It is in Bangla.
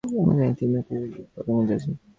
আপনার মেয়ে তিন্নি, সেও কি বদমেজাজি?